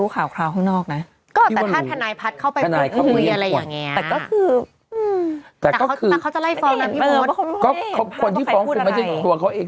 คนที่ฟ้องคุณพัฒน์ของตัวเขาเอง